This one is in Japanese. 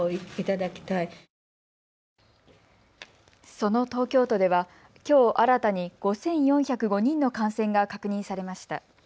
その東京都では、きょう新たに５４０５人の感染が確認されました。